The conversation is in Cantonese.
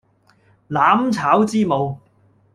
攬抄之母